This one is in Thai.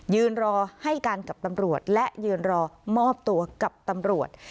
ยืนรอให้การกับตำรวจและยืนรอมอบตัวกับตำรวจ